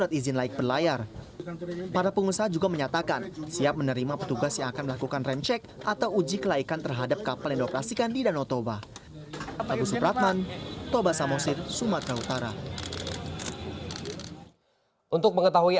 tanpa jaket pelampung tanpa karcis atau manifest begitu